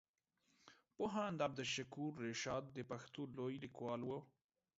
پوهاند عبدالشکور رشاد د پښتو لوی ليکوال وو.